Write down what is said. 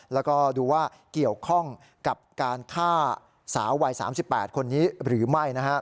แล้วก็ดูว่าเกี่ยวข้องกับการฆ่าสาววัย๓๘คนนี้หรือไม่